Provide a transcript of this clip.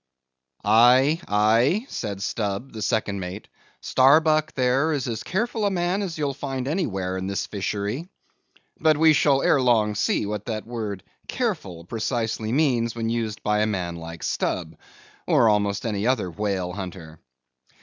"Aye, aye," said Stubb, the second mate, "Starbuck, there, is as careful a man as you'll find anywhere in this fishery." But we shall ere long see what that word "careful" precisely means when used by a man like Stubb, or almost any other whale hunter.